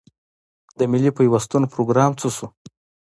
د ملي پیوستون پروګرام څه شو؟